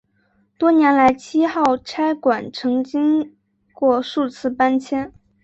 多年来七号差馆曾经过数次搬迁。